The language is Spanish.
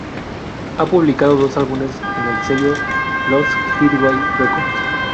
Ha publicado dos álbumes en el sello Lost Highway Records.